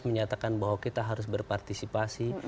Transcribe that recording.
menyatakan bahwa kita harus berpartisipasi